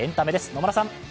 野村さん。